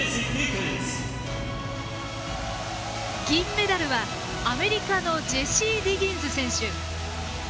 銀メダルは、アメリカのジェシー・ディギンズ選手。